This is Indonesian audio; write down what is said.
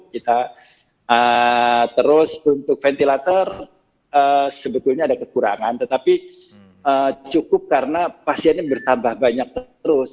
kita terus untuk ventilator sebetulnya ada kekurangan tetapi cukup karena pasiennya bertambah banyak terus